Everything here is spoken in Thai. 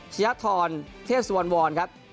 เชื้อทรเทพสวรรค์ครับ